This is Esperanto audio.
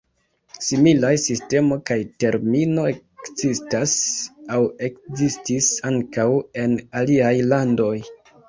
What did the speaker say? Similaj sistemo kaj termino ekzistas aŭ ekzistis ankaŭ en aliaj landoj.